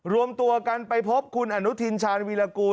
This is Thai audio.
รวมตัวกันไปพบคุณอนุทินชาญวีรกูล